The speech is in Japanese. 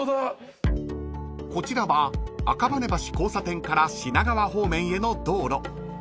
［こちらは赤羽橋交差点から品川方面への道路］